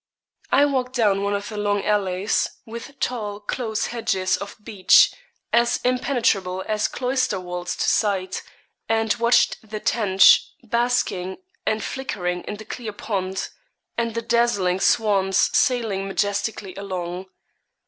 I walked down one of the long alleys, with tall, close hedges of beech, as impenetrable as cloister walls to sight, and watched the tench basking and flickering in the clear pond, and the dazzling swans sailing majestically along.